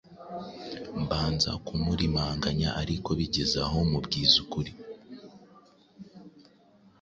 mbanza kumurimanganya ariko bigeze aho mubwiza ukuri.